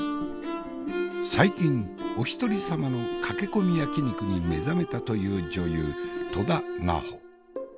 最近おひとり様の駆け込み焼き肉に目覚めたという女優戸田菜穂。